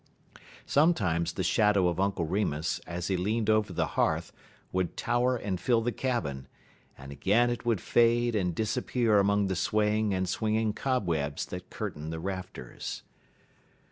Sometimes the shadow of Uncle Remus, as he leaned over the hearth, would tower and fill the cabin, and again it would fade and disappear among the swaying and swinging cobwebs that curtained the rafters.